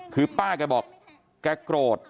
คือป้าแกบอกแกโกรธ